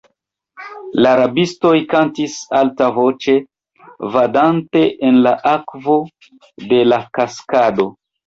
La rabistoj kantis altavoĉe, vadante en la akvo de la kaskado.